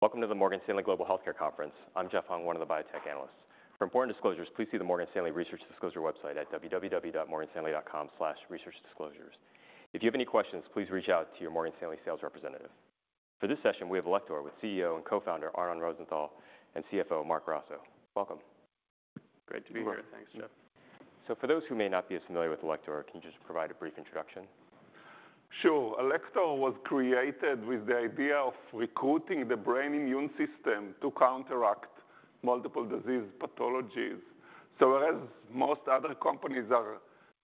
Welcome to the Morgan Stanley Global Healthcare Conference. I'm Jeff Hung, one of the biotech analysts. For important disclosures, please see the Morgan Stanley Research Disclosure website at www.morganstanley.com/researchdisclosures. If you have any questions, please reach out to your Morgan Stanley sales representative. For this session, we have Alector with CEO and co-founder, Arnon Rosenthal, and CFO, Marc Grasso. Welcome. Great to be here. Welcome. Thanks, Jeff. So for those who may not be as familiar with Alector, can you just provide a brief introduction? Sure. Alector was created with the idea of recruiting the brain immune system to counteract multiple disease pathologies. So whereas most other companies are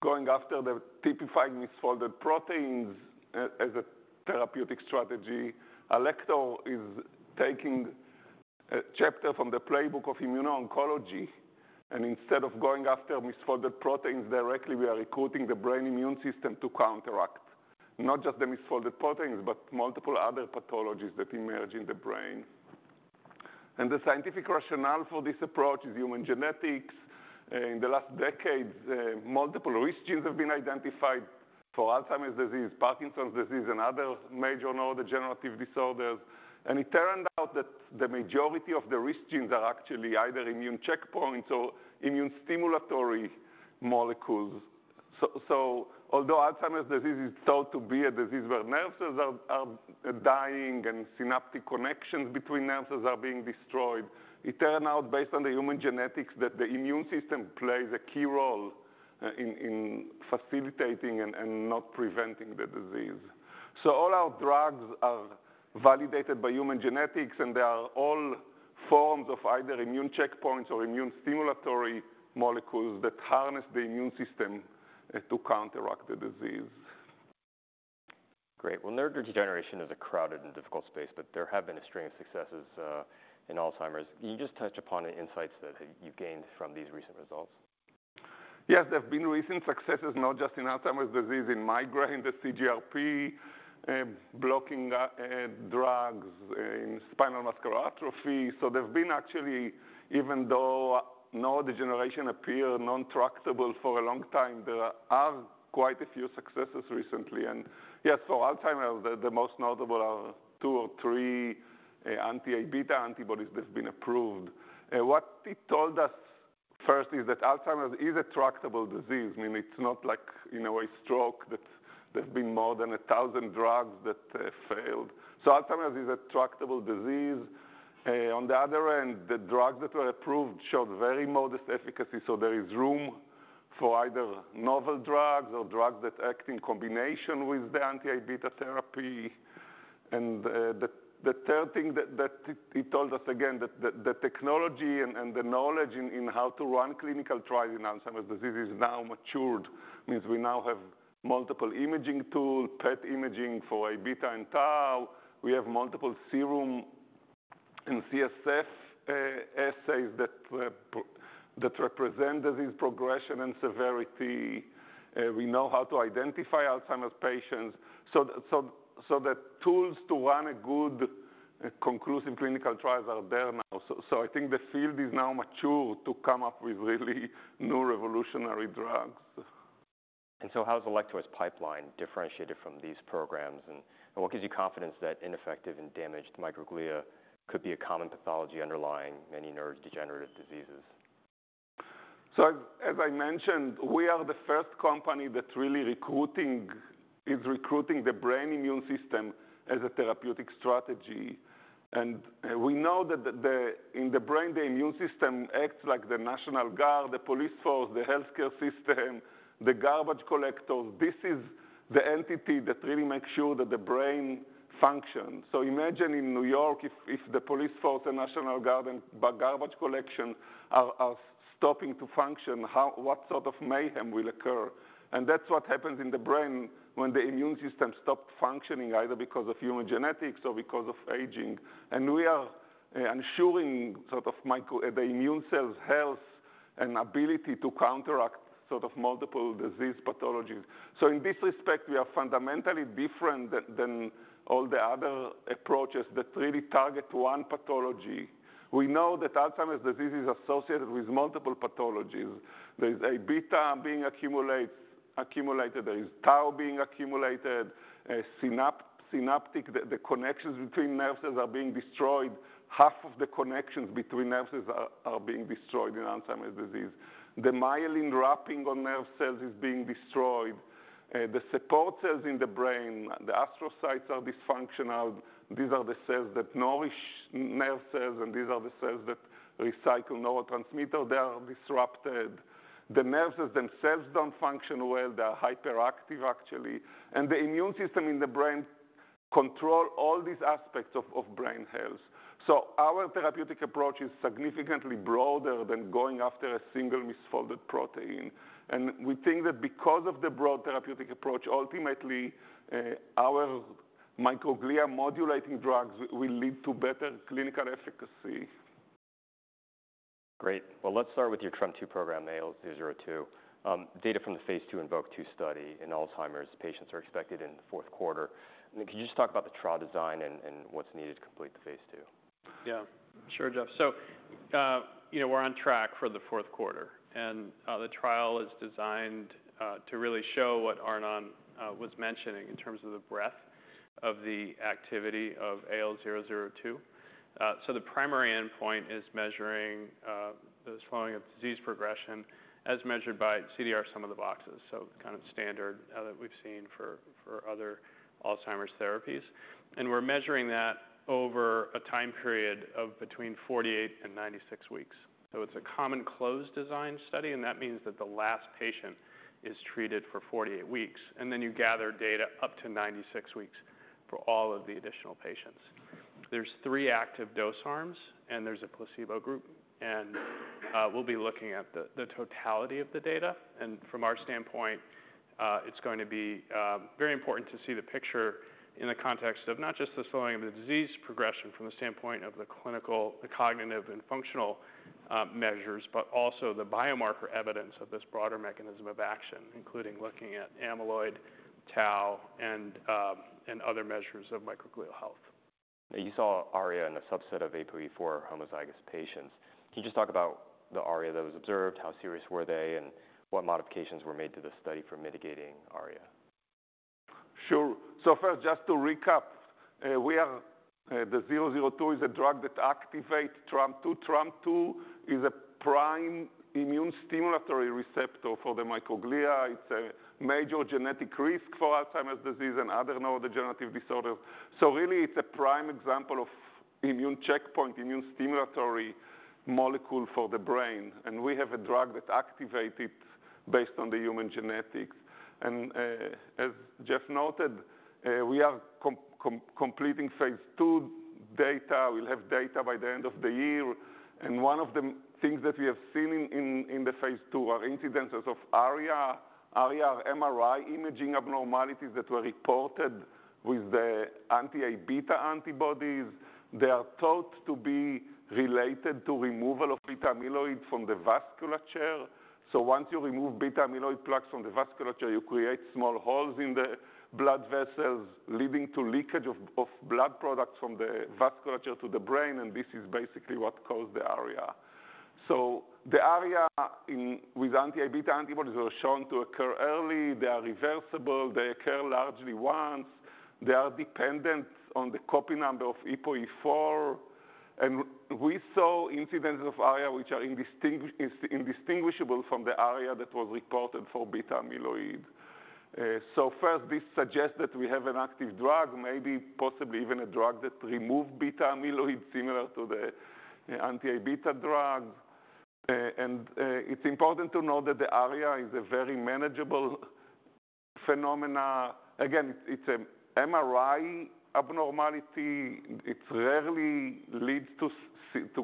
going after the typical misfolded proteins, as a therapeutic strategy, Alector is taking a chapter from the playbook of immuno-oncology. And instead of going after misfolded proteins directly, we are recruiting the brain immune system to counteract not just the misfolded proteins, but multiple other pathologies that emerge in the brain. And the scientific rationale for this approach is human genetics. In the last decades, multiple risk genes have been identified for Alzheimer's disease, Parkinson's disease, and other major neurodegenerative disorders. And it turned out that the majority of the risk genes are actually either immune checkpoints or immune stimulatory molecules. Although Alzheimer's disease is thought to be a disease where neurons are dying and synaptic connections between neurons are being destroyed, it turned out, based on the human genetics, that the immune system plays a key role in facilitating and not preventing the disease. So all our drugs are validated by human genetics, and they are all forms of either immune checkpoints or immune stimulatory molecules that harness the immune system to counteract the disease. Great. Well, neurodegeneration is a crowded and difficult space, but there have been a string of successes in Alzheimer's. Can you just touch upon the insights that you've gained from these recent results? Yes, there have been recent successes, not just in Alzheimer's disease, in migraine, the CGRP blocking drugs, in spinal muscular atrophy. So there've been actually... Even though neurodegeneration appeared non-tractable for a long time, there are quite a few successes recently. And yes, so Alzheimer's, the most notable are two or three anti-A-beta antibodies that's been approved. What it told us first is that Alzheimer's is a tractable disease, meaning it's not like, you know, a stroke, that there's been more than a thousand drugs that failed. So Alzheimer's is a tractable disease. On the other end, the drugs that were approved showed very modest efficacy, so there is room for either novel drugs or drugs that act in combination with the anti-A-beta therapy. The third thing that it told us again, that the technology and the knowledge in how to run clinical trials in Alzheimer's disease is now matured. It means we now have multiple imaging tools, PET imaging for amyloid-beta and tau. We have multiple serum and CSF assays that represent disease progression and severity. We know how to identify Alzheimer's patients. The tools to run a good, conclusive clinical trials are there now. I think the field is now mature to come up with really new revolutionary drugs. So how is Alector's pipeline differentiated from these programs? And what gives you confidence that ineffective and damaged microglia could be a common pathology underlying many neurodegenerative diseases? As I mentioned, we are the first company that's really recruiting the brain immune system as a therapeutic strategy. And we know that in the brain, the immune system acts like the National Guard, the police force, the healthcare system, the garbage collectors. This is the entity that really makes sure that the brain functions. Imagine in New York, if the police force, the National Guard, and garbage collection are stopping to function, what sort of mayhem will occur? And that's what happens in the brain when the immune system stops functioning, either because of human genetics or because of aging. And we are ensuring sort of microglia, the immune cell's health and ability to counteract sort of multiple disease pathologies. In this respect, we are fundamentally different than all the other approaches that really target one pathology. We know that Alzheimer's disease is associated with multiple pathologies. There's amyloid-beta being accumulated, there is tau being accumulated, synaptic, the connections between neurons are being destroyed. Half of the connections between neurons are being destroyed in Alzheimer's disease. The myelin wrapping on nerve cells is being destroyed. The support cells in the brain, the astrocytes, are dysfunctional. These are the cells that nourish nerve cells, and these are the cells that recycle neurotransmitters. They are disrupted. The nerve cells themselves don't function well. They are hyperactive, actually. The immune system in the brain control all these aspects of brain health. Our therapeutic approach is significantly broader than going after a single misfolded protein. We think that because of the broad therapeutic approach, ultimately, our microglia modulating drugs will lead to better clinical efficacy. Great. Well, let's start with your TREM2 program, the AL002. Data from the phase II INVOKE-2 study in Alzheimer's patients are expected in the fourth quarter. Can you just talk about the trial design and, and what's needed to complete the phase II? Yeah, sure, Jeff. So the, you know, we're on track for the fourth quarter, and the trial is designed to really show what Arnon was mentioning in terms of the breadth of the activity of AL002. So the primary endpoint is measuring the slowing of disease progression as measured by CDR Sum of Boxes, so kind of standard that we've seen for other Alzheimer's therapies, and we're measuring that over a time period of between 48 and 96 weeks. So it's a common close design study, and that means that the last patient is treated for 48 weeks, and then you gather data up to 96 weeks for all of the additional patients. There's three active dose arms, and there's a placebo group, and we'll be looking at the totality of the data. From our standpoint, it's going to be very important to see the picture in the context of not just the slowing of the disease progression from the standpoint of the clinical, the cognitive, and functional measures, but also the biomarker evidence of this broader mechanism of action, including looking at amyloid, tau, and other measures of microglial health. You saw ARIA in a subset of APOE4 homozygous patients. Can you just talk about the ARIA that was observed, how serious were they, and what modifications were made to the study for mitigating ARIA? Sure. So first, just to recap, we have AL002 is a drug that activates TREM2. TREM2 is a prime immune stimulatory receptor for the microglia. It's a major genetic risk for Alzheimer's disease and other neurodegenerative disorders. So really, it's a prime example of immune checkpoint, immune stimulatory molecule for the brain, and we have a drug that activates it based on the human genetics. And, as Jeff noted, we are completing phase two data. We'll have data by the end of the year, and one of the things that we have seen in the phase two are incidences of ARIA. ARIA are MRI imaging abnormalities that were reported with the anti-A beta antibodies. They are thought to be related to removal of beta amyloid from the vasculature. So once you remove beta amyloid plaques from the vasculature, you create small holes in the blood vessels, leading to leakage of blood products from the vasculature to the brain, and this is basically what cause the ARIA. So the ARIA in with the anti-A beta antibodies were shown to occur early. They are reversible. They occur largely once. They are dependent on the copy number of APOE4. And we saw incidences of ARIA, which are indistinguishable from the ARIA that was reported for beta amyloid. So first, this suggests that we have an active drug, maybe possibly even a drug that removes beta amyloid, similar to the anti-A beta drug. And it's important to know that the ARIA is a very manageable phenomena. Again, it's an MRI abnormality. It rarely leads to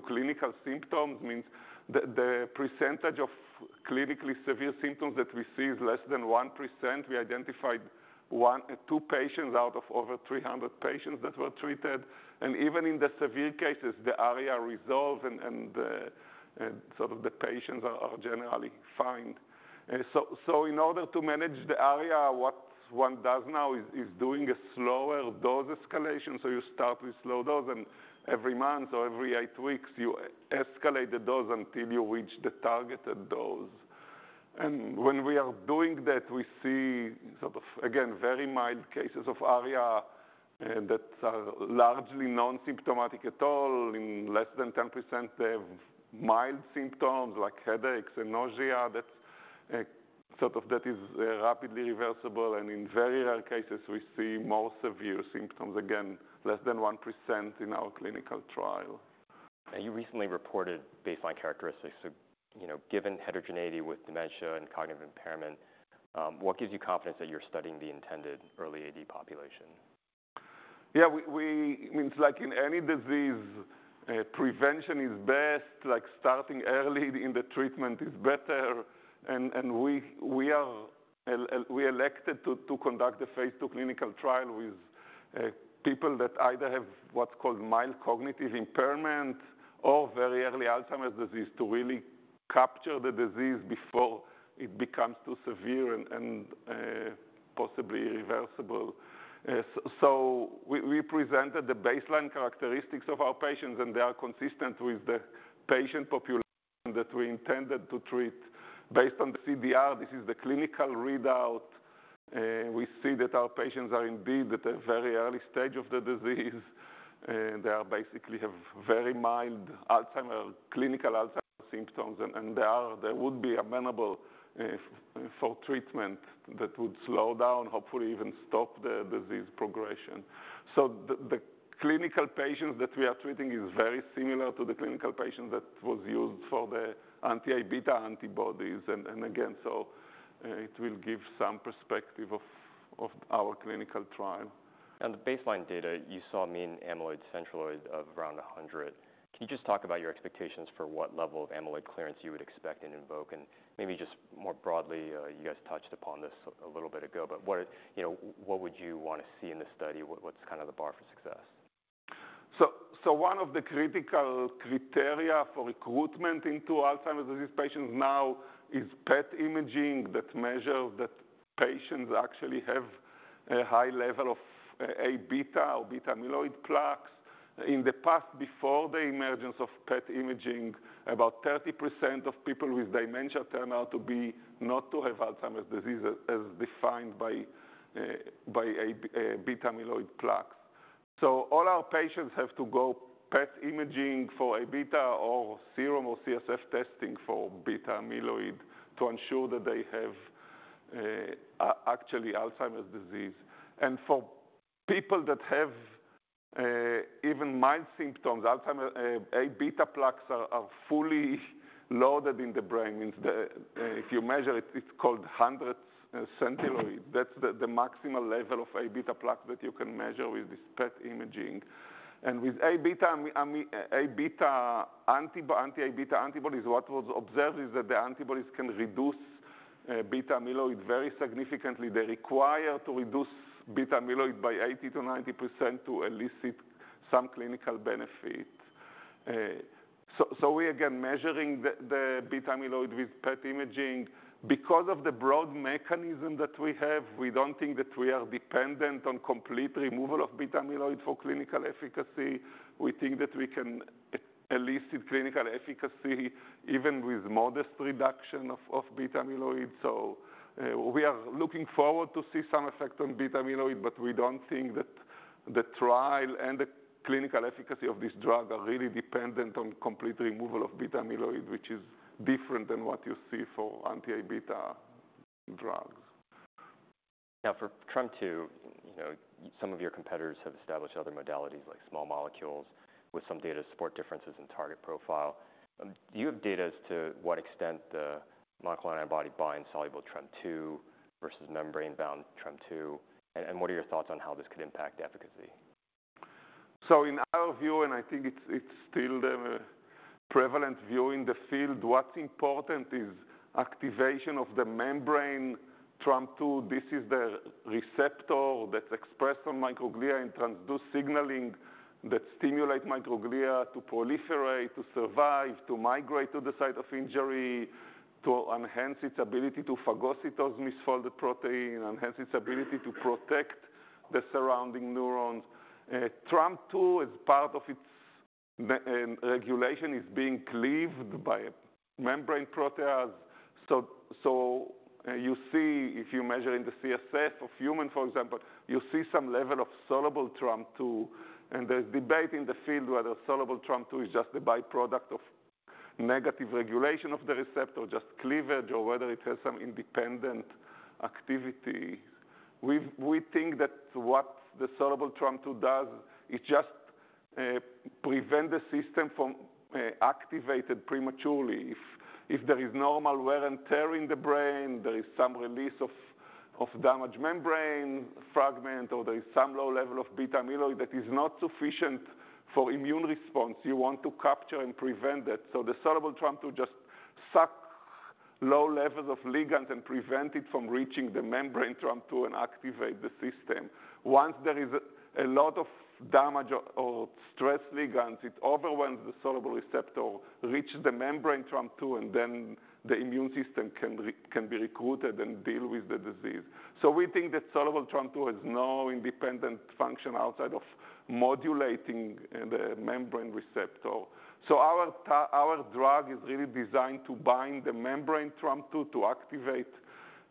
clinical symptoms, means the percentage of clinically severe symptoms that we see is less than 1%. We identified one, two patients out of over 300 patients that were treated, and even in the severe cases, the ARIA resolve, and the patients are generally fine. So in order to manage the ARIA, what one does now is doing a slower dose escalation. So you start with slow dose, and every month or every eight weeks, you escalate the dose until you reach the targeted dose. And when we are doing that, we see sort of, again, very mild cases of ARIA that are largely non-symptomatic at all. In less than 10%, they have mild symptoms like headaches and nausea that is rapidly reversible, and in very rare cases, we see more severe symptoms, again, less than 1% in our clinical trial. And you recently reported baseline characteristics. So, you know, given heterogeneity with dementia and cognitive impairment, what gives you confidence that you're studying the intended early AD population? Yeah, we means, like in any disease, prevention is best, like starting early in the treatment is better. And we are, we elected to conduct a phase two clinical trial with people that either have what's called mild cognitive impairment or very early Alzheimer's disease, to really capture the disease before it becomes too severe and possibly irreversible. So we presented the baseline characteristics of our patients, and they are consistent with the patient population that we intended to treat. Based on the CDR, this is the clinical readout, we see that our patients are indeed at a very early stage of the disease, they are basically have very mild Alzheimer's, clinical Alzheimer's symptoms, and they would be amenable for treatment that would slow down, hopefully even stop the disease progression. So the clinical patients that we are treating is very similar to the clinical patients that was used for the anti-A beta antibodies. And again, so, it will give some perspective of our clinical trial. On the baseline data, you saw a mean amyloid centiloid of around 100. Can you just talk about your expectations for what level of amyloid clearance you would expect in INVOKE? And maybe just more broadly, you guys touched upon this a little bit ago, but you know what would you want to see in this study? What's kind of the bar for success? One of the critical criteria for recruitment into Alzheimer's disease patients now is PET imaging that measures that patients actually have a high level of A-beta or beta-amyloid plaques. In the past, before the emergence of PET imaging, about 30% of people with dementia turn out to be not to have Alzheimer's disease, as defined by beta amyloid plaques. All our patients have to go PET imaging for A-beta or serum or CSF testing for beta amyloid to ensure that they have actually Alzheimer's disease. For people that have even mild symptoms, Alzheimer's A-beta plaques are fully loaded in the brain. That means if you measure it, it's called 100 centiloid. That's the maximal level of A-beta plaque that you can measure with this PET imaging. With A-beta amyloid antibody, anti-A beta antibodies, what was observed is that the antibodies can reduce beta amyloid very significantly. They require to reduce beta amyloid by 80% to 90% to elicit some clinical benefit. So we, again, measuring the beta amyloid with PET imaging. Because of the broad mechanism that we have, we don't think that we are dependent on complete removal of beta amyloid for clinical efficacy. We think that we can elicit clinical efficacy even with modest reduction of beta amyloid. So we are looking forward to see some effect on beta amyloid, but we don't think that the trial and the clinical efficacy of this drug are really dependent on complete removal of beta amyloid, which is different than what you see for anti-A beta drugs. Now, for TREM2, you know, some of your competitors have established other modalities, like small molecules, with some data to support differences in target profile. Do you have data as to what extent the monoclonal antibody binds soluble TREM2 versus membrane-bound TREM2? And what are your thoughts on how this could impact efficacy? In our view, and I think it's still the prevalent view in the field, what's important is activation of the membrane TREM2. This is the receptor that's expressed on microglia and transduce signaling that stimulate microglia to proliferate, to survive, to migrate to the site of injury, to enhance its ability to phagocytose misfolded protein, enhance its ability to protect the surrounding neurons. TREM2, as part of its regulation, is being cleaved by a membrane protease. You see if you measure in the CSF of human, for example, you see some level of soluble TREM2, and there's debate in the field whether soluble TREM2 is just a by-product of negative regulation of the receptor, just cleavage, or whether it has some independent activity. We think that what the soluble TREM2 does, it just prevent the system from activated prematurely. If there is normal wear and tear in the brain, there is some release of damaged membrane fragment, or there is some low level of beta amyloid that is not sufficient for immune response, you want to capture and prevent that. So the soluble TREM2 just suck low levels of ligands and prevent it from reaching the membrane TREM2 and activate the system. Once there is a lot of damage or stress ligands, it overwhelms the soluble receptor, reaches the membrane TREM2, and then the immune system can be recruited and deal with the disease. So we think that soluble TREM2 has no independent function outside of modulating the membrane receptor. So our drug is really designed to bind the membrane TREM2 to activate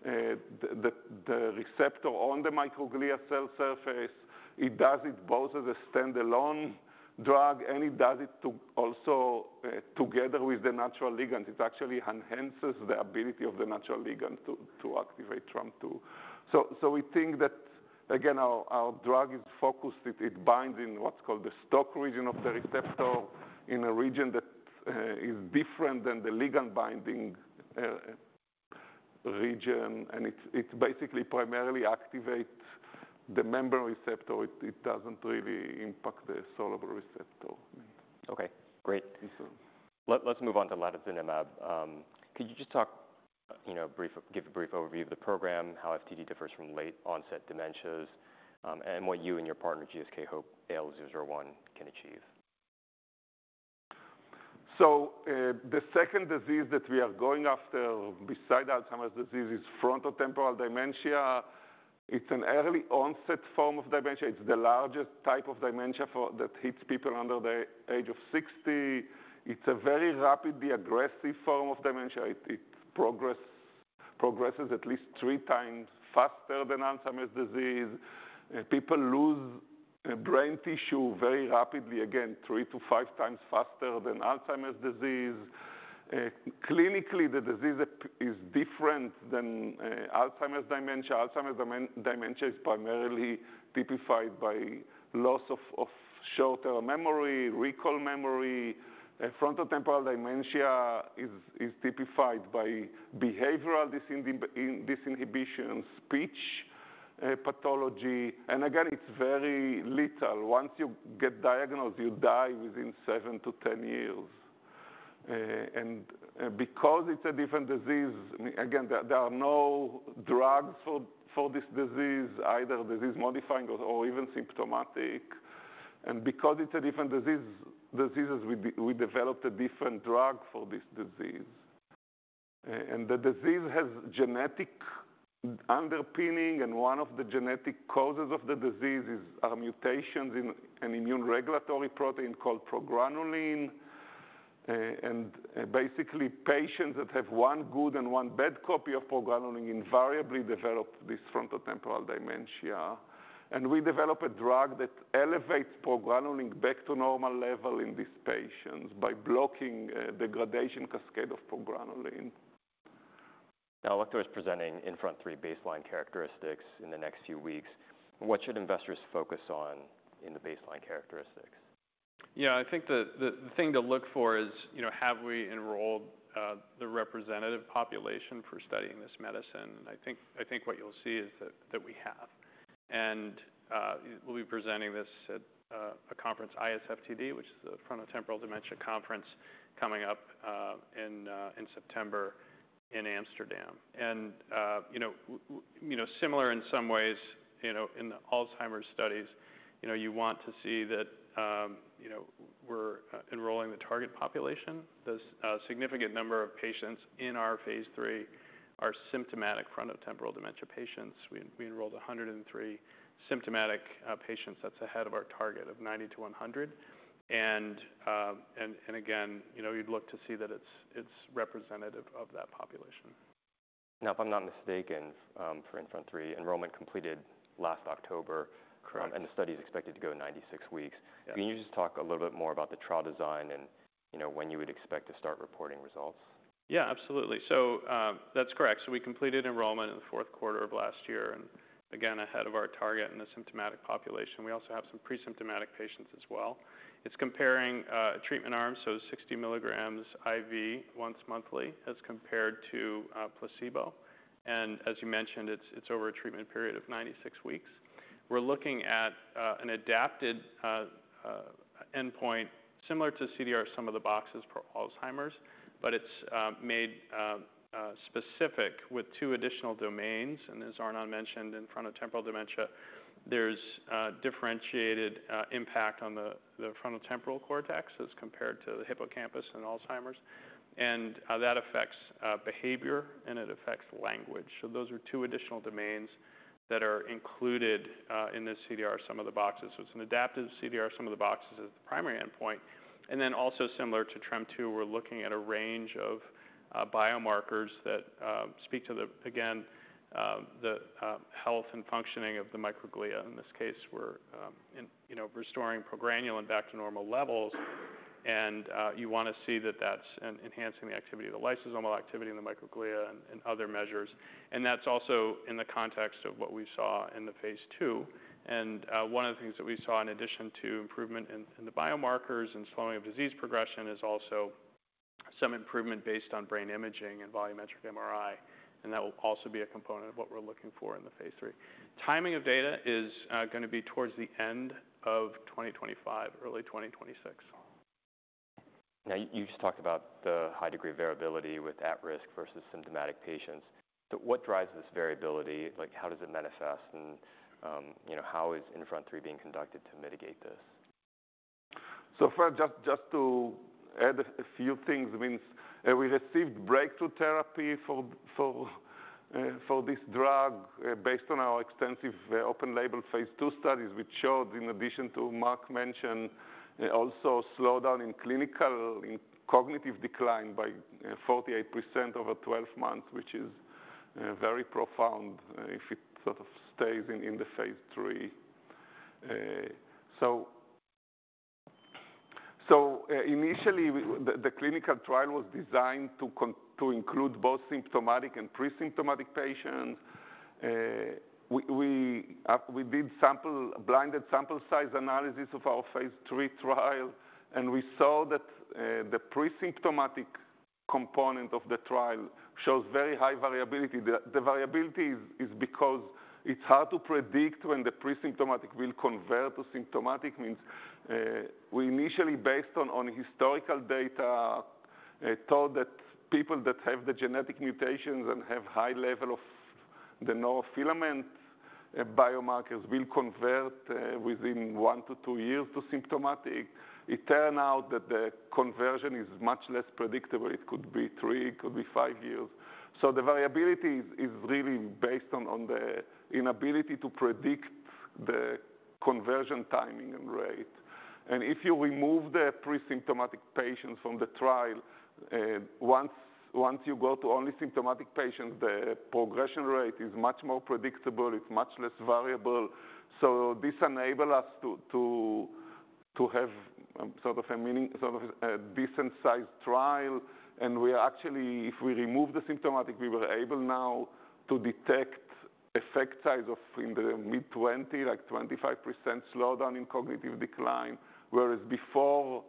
the receptor on the microglia cell surface. It does it both as a standalone drug, and it does it also together with the natural ligand. It actually enhances the ability of the natural ligand to activate TREM2. So we think that, again, our drug is focused. It binds in what's called the stalk region of the receptor, in a region that is different than the ligand binding region. And it basically primarily activates the membrane receptor. It doesn't really impact the soluble receptor. Okay, great. Mm-hmm. Let's move on to latozinemab. Could you just talk, you know, give a brief overview of the program, how FTD differs from late onset dementias, and what you and your partner, GSK, hope AL001 can achieve? The second disease that we are going after, besides Alzheimer's disease, is frontotemporal dementia. It's an early onset form of dementia. It's the largest type of dementia for that hits people under the age of 60. It's a very rapidly aggressive form of dementia. It progresses at least three times faster than Alzheimer's disease. People lose brain tissue very rapidly, again, three to five times faster than Alzheimer's disease. Clinically, the disease appears different than Alzheimer's dementia. Alzheimer's dementia is primarily typified by loss of short-term memory, recall memory. Frontotemporal dementia is typified by behavioral disinhibition, speech pathology. And again, it's very lethal. Once you get diagnosed, you die within seven to 10 years. Because it's a different disease, I mean, again, there are no drugs for this disease, either disease-modifying or even symptomatic. Because it's a different disease, we developed a different drug for this disease. The disease has genetic underpinning, and one of the genetic causes of the disease are mutations in an immune regulatory protein called progranulin. Basically, patients that have one good and one bad copy of progranulin invariably develop this frontotemporal dementia. We develop a drug that elevates progranulin back to normal level in these patients by blocking degradation cascade of progranulin. Now, Alector is presenting INFRONT-3 baseline characteristics in the next few weeks. What should investors focus on in the baseline characteristics? Yeah, I think the thing to look for is, you know, have we enrolled the representative population for studying this medicine? And I think what you'll see is that we have. And we'll be presenting this at a conference, ISFTD, which is the Frontotemporal Dementia Conference, coming up in September in Amsterdam. And you know, similar in some ways, you know, in the Alzheimer's studies, you know, you want to see that, you know, we're enrolling the target population. There's a significant number of patients in our phase 3 who are symptomatic frontotemporal dementia patients. We enrolled a hundred and three symptomatic patients. That's ahead of our target of 90 to 100. And again, you know, you'd look to see that it's representative of that population. Now, if I'm not mistaken, for INFRONT-3, enrollment completed last October. Correct. The study is expected to go 96 weeks. Yeah. Can you just talk a little bit more about the trial design and, you know, when you would expect to start reporting results? Yeah, absolutely. That's correct, so we completed enrollment in the fourth quarter of last year, and again, ahead of our target in the symptomatic population. We also have some pre-symptomatic patients as well. It's comparing treatment arms, so 60 mg IV once monthly as compared to placebo, and as you mentioned, it's over a treatment period of 96 weeks. We're looking at an adapted endpoint similar to CDR-Sum of Boxes for Alzheimer's, but it's made specific with two additional domains, and as Arnon mentioned, in frontotemporal dementia, there's a differentiated impact on the frontotemporal cortex as compared to the hippocampus in Alzheimer's, and that affects behavior, and it affects language, so those are two additional domains that are included in this CCDR-Sum of Boxes. It's an adaptive CDR Sum of Boxes as the primary endpoint. Then also similar to INFRONT-2, we're looking at a range of biomarkers that speak to the, again, the health and functioning of the microglia. In this case, we're, you know, restoring progranulin back to normal levels, and you wanna see that that's enhancing the activity of the lysosomal activity and the microglia and other measures. And that's also in the context of what we saw in the phase II. One of the things that we saw, in addition to improvement in the biomarkers and slowing of disease progression, is also some improvement based on brain imaging and volumetric MRI, and that will also be a component of what we're looking for in the phase III. Timing of data is gonna be towards the end of 2025, early 2026. Now, you just talked about the high degree of variability with at-risk versus symptomatic patients. So what drives this variability? Like, how does it manifest and, you know, how is INFRONT-3 being conducted to mitigate this? So first, just to add a few things. Meanwhile, we received breakthrough therapy for this drug based on our extensive open label phase II studies, which showed, in addition to Marc mention, also slowdown in cognitive decline by 48% over 12 months, which is very profound if it sort of stays in the phase III. So initially, we, the clinical trial was designed to include both symptomatic and pre-symptomatic patients. We did blinded sample size analysis of our phase III trial, and we saw that the pre-symptomatic component of the trial shows very high variability. The variability is because it's hard to predict when the pre-symptomatic will convert to symptomatic. I mean, we initially, based on historical data, thought that people that have the genetic mutations and have high level of the neurofilament biomarkers will convert within one to two years to symptomatic. It turned out that the conversion is much less predictable. It could be three, it could be five years. So the variability is really based on the inability to predict the conversion timing and rate. And if you remove the pre-symptomatic patients from the trial, once you go to only symptomatic patients, the progression rate is much more predictable; it's much less variable. So this enables us to have sort of a meaningful, sort of a decent-sized trial, and we are actually if we remove the symptomatic, we were able now to detect effect size of in the mid-20s, like 25% slowdown in cognitive decline, whereas before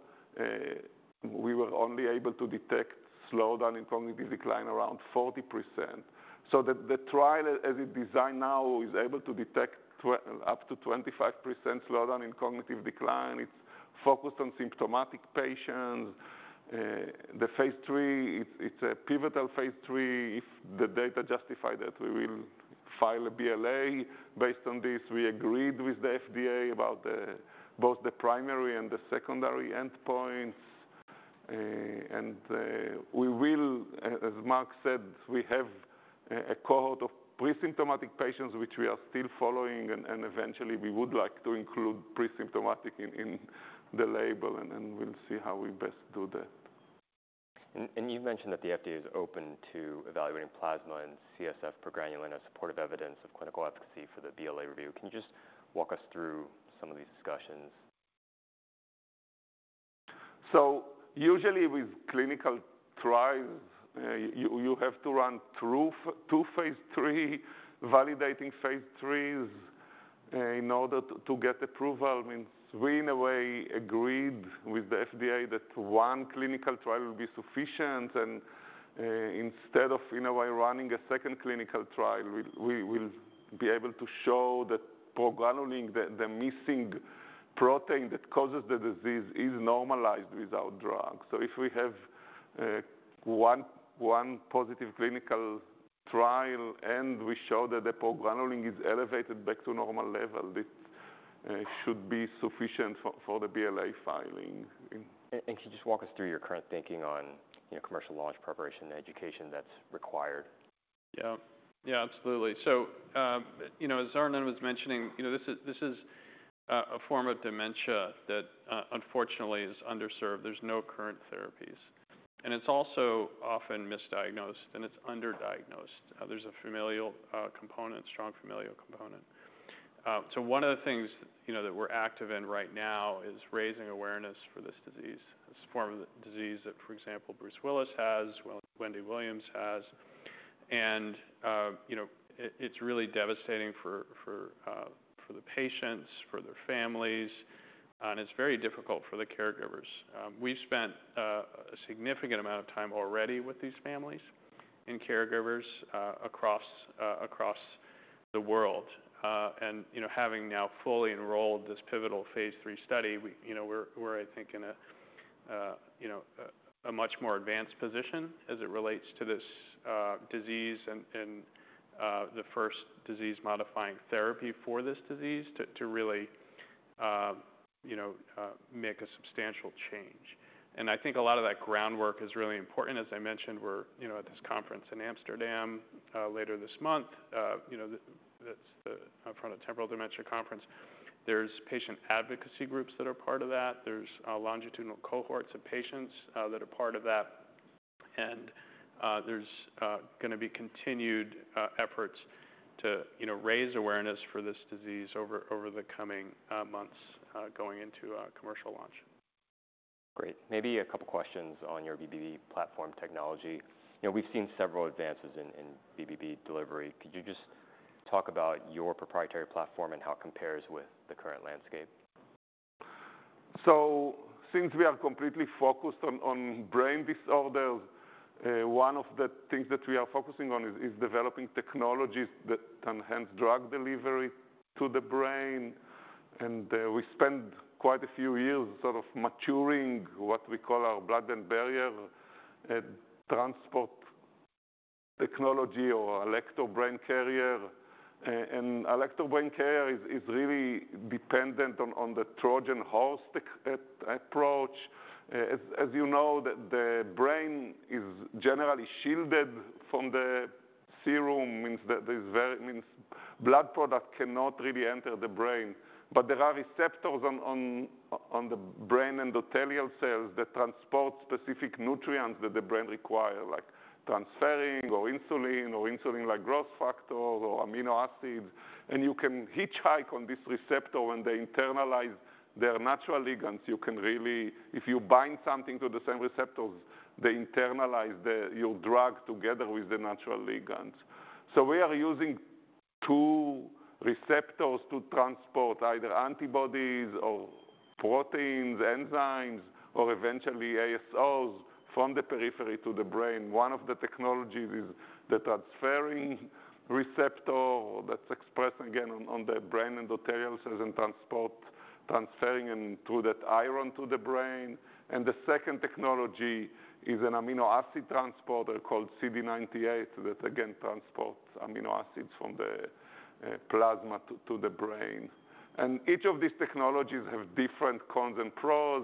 we were only able to detect slowdown in cognitive decline around 40%. So the trial, as it's designed now, is able to detect up to 25% slowdown in cognitive decline. It's focused on symptomatic patients. The phase III, it's a pivotal phase III the data justify that we will file a BLA based on this. We agreed with the FDA about both the primary and the secondary endpoints. As Marc said, we have a cohort of pre-symptomatic patients, which we are still following, and eventually we would like to include pre-symptomatic in the label, and then we'll see how we best do that. You've mentioned that the FDA is open to evaluating plasma and CSF progranulin as supportive evidence of clinical efficacy for the BLA review. Can you just walk us through some of these discussions? Usually with clinical trials, you have to run through two, phase III, validating phase III's, in order to get approval. That means we, in a way, agreed with the FDA that one clinical trial will be sufficient. And instead of, in a way, running a second clinical trial, we will be able to show that progranulin, the missing protein that causes the disease, is normalized with our drug. So if we have one positive clinical trial, and we show that the progranulin is elevated back to normal level, it should be sufficient for the BLA filing. Could you just walk us through your current thinking on, you know, commercial launch preparation and education that's required? Yeah. Yeah, absolutely. So, you know, as Arnon was mentioning, you know, this is a form of dementia that unfortunately is underserved. There's no current therapies, and it's also often misdiagnosed, and it's underdiagnosed. There's a familial component, strong familial component. So one of the things, you know, that we're active in right now is raising awareness for this disease. This form of disease that, for example, Bruce Willis has, well, Wendy Williams has, and, you know, it, it's really devastating for the patients, for their families, and it's very difficult for the caregivers. We've spent a significant amount of time already with these families and caregivers across the world. and, you know, having now fully enrolled this pivotal phase III study, we, you know, we're, I think, in a, you know, a much more advanced position as it relates to this, disease and, the first disease-modifying therapy for this disease to really, you know, make a substantial change. And I think a lot of that groundwork is really important. As I mentioned, we're, you know, at this conference in Amsterdam, later this month, you know, that's from the frontotemporal dementia conference. There's patient advocacy groups that are part of that. There's longitudinal cohorts of patients that are part of that. And there's gonna be continued efforts to, you know, raise awareness for this disease over the coming months, going into commercial launch. Great. Maybe a couple questions on your BBB platform technology. You know, we've seen several advances in BBB delivery. Could you just talk about your proprietary platform and how it compares with the current landscape? Since we are completely focused on brain disorders, one of the things that we are focusing on is developing technologies that enhance drug delivery to the brain. We spent quite a few years sort of maturing what we call our blood-brain barrier transport technology or Alector Brain Carrier. Alector Brain Carrier is really dependent on the Trojan horse approach. As you know, the brain is generally shielded from the serum, means that blood product cannot really enter the brain. But there are receptors on the brain endothelial cells that transport specific nutrients that the brain require, like transferrin or insulin or insulin-like growth factors or amino acids. You can hitchhike on this receptor, and they internalize their natural ligands. You can really... If you bind something to the same receptors, they internalize your drug together with the natural ligands. So we are using two receptors to transport either antibodies or proteins, enzymes, or eventually ASOs from the periphery to the brain. One of the technologies is the transferrin receptor that's expressed, again, on the brain endothelial cells and transports transferrin through that iron to the brain, and the second technology is an amino acid transporter called CD98, that again, transports amino acids from the plasma to the brain, and each of these technologies have different cons and pros.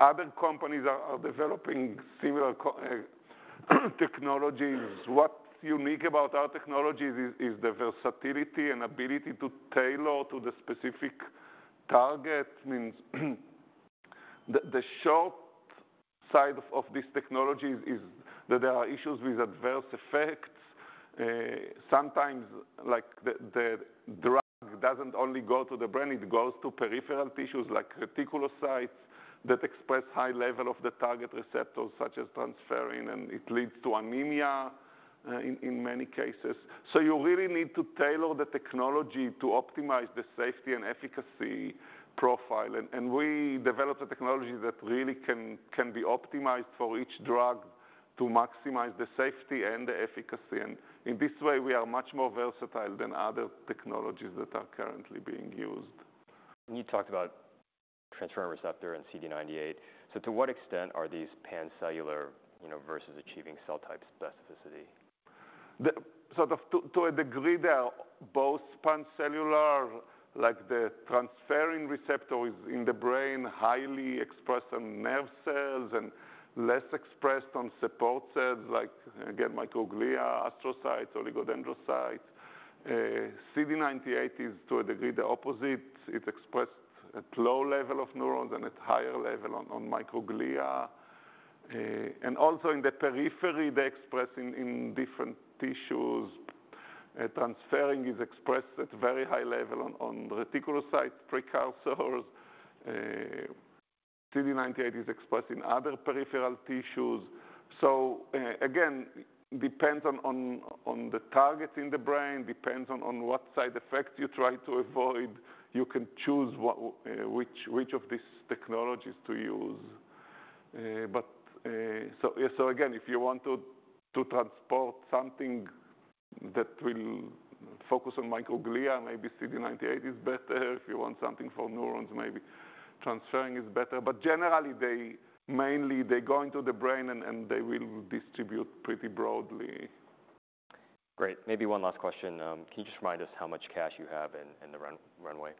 Other companies are developing similar technologies. What's unique about our technologies is the versatility and ability to tailor to the specific target. Means, the short side of these technologies is that there are issues with adverse effects. Sometimes, like, the drug doesn't only go to the brain. It goes to peripheral tissues, like reticulocytes, that express high level of the target receptors, such as transferrin, and it leads to anemia in many cases. You really need to tailor the technology to optimize the safety and efficacy profile. We developed a technology that really can be optimized for each drug to maximize the safety and the efficacy. In this way, we are much more versatile than other technologies that are currently being used. And you talked about transferrin receptor and CD98. So to what extent are these pan-cellular, you know, versus achieving cell type specificity? So to a degree, they are both pan-cellular. Like, the transferrin receptor is, in the brain, highly expressed on nerve cells and less expressed on support cells, like, again, microglia, astrocytes, oligodendrocytes. CD98 is, to a degree, the opposite. It expressed at low level of neurons and at higher level on microglia. And also in the periphery, they express in different tissues. Transferrin is expressed at very high level on reticulocyte precursors. CD98 is expressed in other peripheral tissues. So again, depends on the target in the brain, depends on what side effects you try to avoid. You can choose what which of these technologies to use. But so again, if you want to transport something that will focus on microglia, maybe CD98 is better. If you want something for neurons, maybe transferrin is better. But generally, they mainly, they go into the brain and they will distribute pretty broadly. Great. Maybe one last question. Can you just remind us how much cash you have in the runway?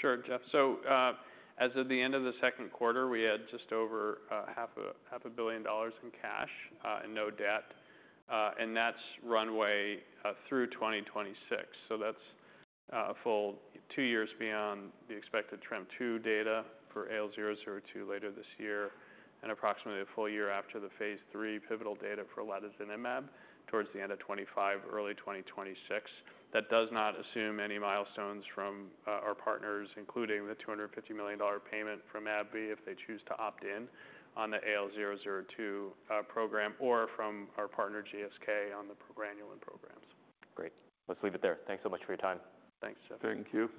Sure, Jeff. So, as of the end of the second quarter, we had just over $500 million in cash and no debt. That's runway through 2026. That's a full two years beyond the expected INVOKE-2 data for AL002 later this year, and approximately a full year after the phase III pivotal data for latozinemab towards the end of 2025, early 2026. That does not assume any milestones from our partners, including the $250 million payment from AbbVie, if they choose to opt in on the AL002 program, or from our partner, GSK, on the progranulin programs. Great. Let's leave it there. Thanks so much for your time. Thanks, Jeff. Thank you.